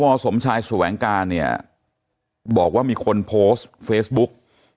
พ่อสมชายสุแหวงกาบอกว่ามีคนโพสต์เฟซบุ๊ก